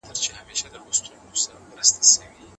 د القصص سورت په {طسم} شروع سوی دی.